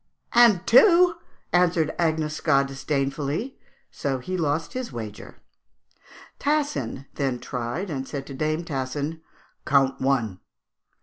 'And two!' answered Agnescat disdainfully; so he lost his wager. Tassin then tried, and said to dame Tassin, 'Count one!'